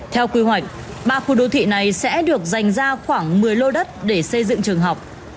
theo quy hoạch ba khu đô thị này sẽ được dành ra khoảng một mươi lô đất để xây dựng trường học